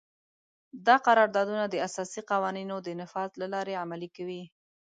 دا قراردادونه د اساسي قوانینو د نفاذ له لارې عملي کوي.